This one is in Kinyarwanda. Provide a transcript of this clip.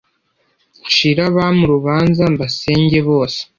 Ncire Abami urubanza, Mbasenge bose.